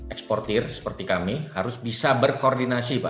eksportir seperti kami harus bisa berkoordinasi pak